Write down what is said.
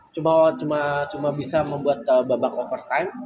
cuma cuma bisa membuat babak overtime